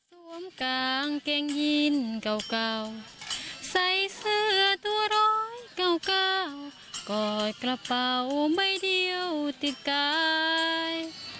สวมกางเกงยีนเก่าใส่เสื้อตัวร้อยเก่ากอดกระเป๋าใบเดียวติดกาย